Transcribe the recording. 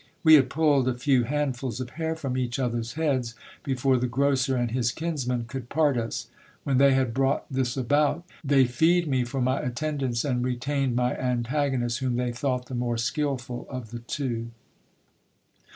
We had pulled a few handfuls of hair from each other's heads before the grocer and his kinsman could part us. When they had brought this about, they feed me for my attendance, and retained my antagonist, whom they thought the more skilful of the two.